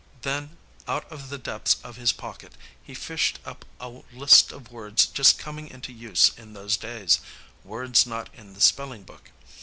Then out of the depths of his pocket he fished up a list of words just coming into use in those days words not in the spelling book.